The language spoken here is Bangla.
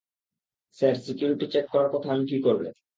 স্যার সিকিউরিটি চেক করার কথা আমি কী করবো?